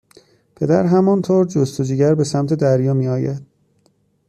پدر همانطور جستجوگر به سمت دریا میآید